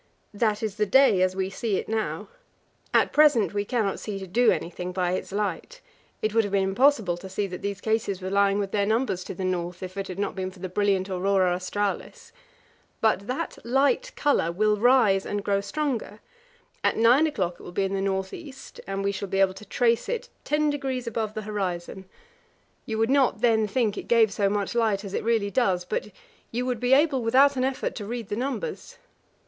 That is the day as we see it now. At present we cannot see to do anything by its light. It would have been impossible to see that these cases were lying with their numbers to the north if it had not been for the brilliant aurora australis. But that light colour will rise and grow stronger. At nine o'clock it will be in the north east, and we shall be able to trace it ten degrees above the horizon. You would not then think it gave so much light as it really does, but you would be able without an effort to read the numbers.